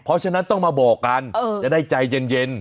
เพราะฉะนั้นต้องมาบอกกันจะได้ใจเย็น